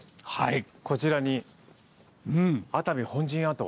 こちらに「熱海本陣跡」。